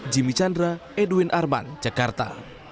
jimmy chandra edwin arman jakarta